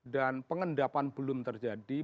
dan pengendapan belum terjadi